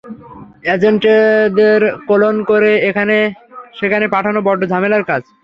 অ্যাজেন্টদের clone করে এখানে সেখানে পাঠানো বড্ড ঝামেলার কাজ!